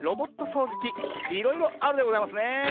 そうじきいろいろあるでございますねえ。